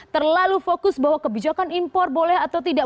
terlalu fokus bahwa kebijakan impor boleh atau tidak